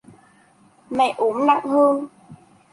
mẹ ốm nặng hơn